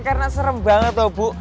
karena serem banget loh bu